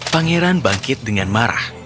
pangeran bangkit dengan marah